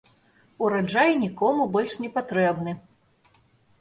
Ураджай нікому больш не патрэбны.